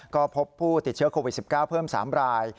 ก็พบผู้ติดเชื้อโควิด๑๙เพิ่ม๓ราย